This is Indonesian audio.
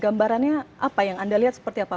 gambarannya apa yang anda lihat seperti apa